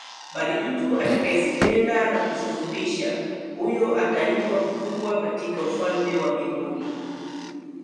bali mtu atakayezitenda na kuzifundisha huyo ataitwa mkubwa katika ufalme wa mbinguni